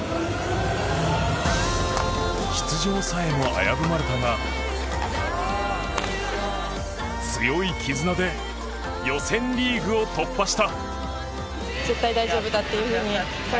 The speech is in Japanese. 出場さえも危ぶまれたが強い絆で予選リーグを突破した。